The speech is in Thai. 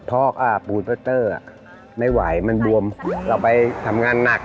พ่อก็อ่ะไม่ไหวมันดวมเริ่มลืมไปเราไปทำงานหนัก